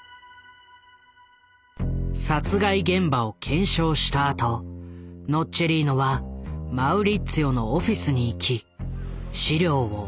殺害現場を検証したあとノッチェリーノはマウリッツィオのオフィスに行き資料を押収。